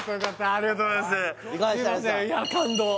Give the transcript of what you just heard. ありがとうございます